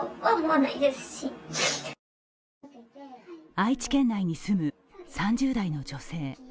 愛知県内に住む３０代の女性。